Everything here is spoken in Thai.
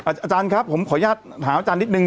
อาจารย์ครับผมขออนุญาตถามอาจารย์นิดนึง